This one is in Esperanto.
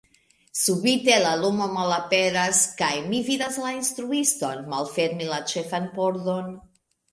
Subite la lumo malaperas, kaj mi vidas la instruiston malfermi la ĉefan pordon...